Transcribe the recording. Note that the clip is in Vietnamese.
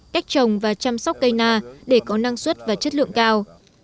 cách trồng và chăm sóc cây na để có năng suất và chất lượng cao